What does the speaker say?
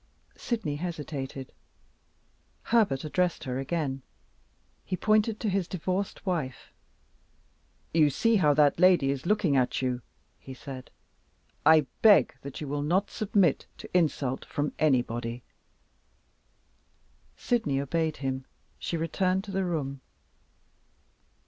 Sydney hesitated. Herbert addressed her again. He pointed to his divorced wife. "You see how that lady is looking at you," he said; "I beg that you will not submit to insult from anybody." Sydney obeyed him: she returned to the room.